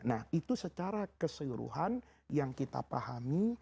nah itu secara keseluruhan yang kita pahami